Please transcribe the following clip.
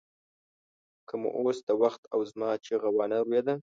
که مو اوس د وخت او زمان چیغه وانه ورېده.